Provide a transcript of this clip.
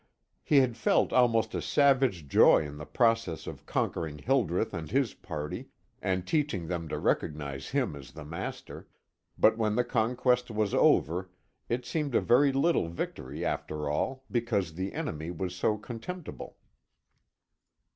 He had felt almost a savage joy in the process of conquering Hildreth and his party, and teaching them to recognize him as the master; but when the conquest was over, it seemed a very little victory after all, because the enemy was so contemptible.